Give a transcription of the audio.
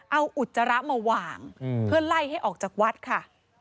เอาอุจจาระมาวางเพื่อไล่ให้ออกจากวัดค่ะ